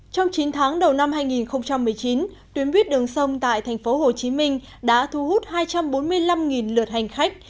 trong chín tháng đầu năm hai nghìn một mươi chín tuyến buýt đường sông tại tp hcm đã thu hút hai trăm bốn mươi năm lượt hành khách